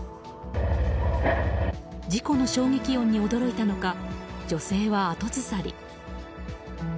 事故の衝撃音に驚いたのか女性は後ずさり。